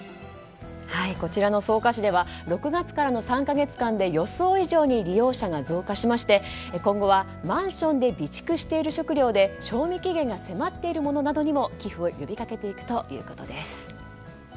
こちらの草加市では６月からの３か月間で予想以上に利用者が増加しまして、今後はマンションで備蓄している食料で賞味期限が迫っているものなどにも寄付を呼び掛けていくということです。